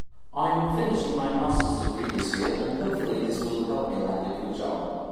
I'm finishing my masters degree this year and hopefully this will help me land a good job.